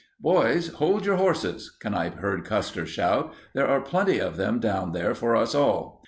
"Boys, hold your horses," Kanipe heard Custer shout, "there are plenty of them down there for us all."